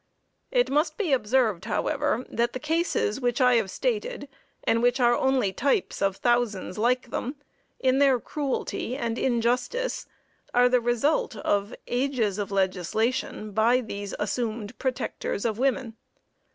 It must be observed, however, that the cases which I have stated, and which are only types of thousands like them, in their cruelty and injustice, are the result of ages of legislation by these assumed protectors of women.